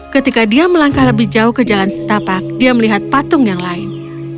ketika dia melangkah lebih jauh ke jalan setapak dia melihat patung yang lain